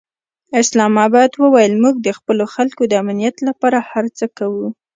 اسلام اباد وویل، موږ د خپلو خلکو د امنیت لپاره هر څه کوو.